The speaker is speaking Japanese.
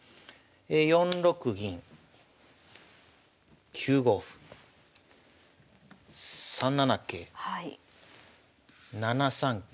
４六銀９五歩３七桂７三桂。